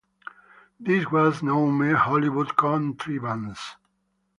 This was no mere Hollywood contrivance.